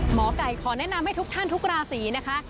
หมอไก่ขอแนะนำให้ทุกท่านทุกราศีนะคะ